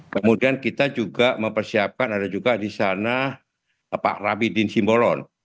kemudian kita juga mempersiapkan ada juga di sana pak rabi din simbolon